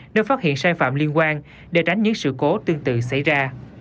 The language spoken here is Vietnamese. nếu phát hiện sai phạm liên quan để tránh những sự cố tương tự xảy ra